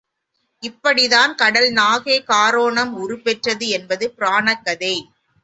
இப்படித் தான் கடல் நாகைக் காரோணம் உருப்பெற்றது என்பது புராணக் கதை.